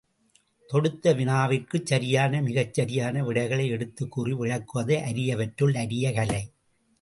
தொடுத்த வினாவிற்குச் சரியான, மிகச் சரியான விடைகளை எடுத்துக்கூறி விளக்குவது அரியவற்றுள் அரிய கலை.